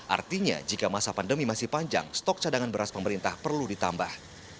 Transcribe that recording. artinya jika masa pandemi masih panjang stok cadangan beras pemerintah perlu ditambah